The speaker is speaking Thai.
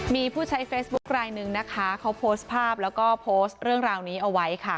มีผู้ใช้เฟซบุ๊คลายหนึ่งนะคะเขาโพสต์ภาพแล้วก็โพสต์เรื่องราวนี้เอาไว้ค่ะ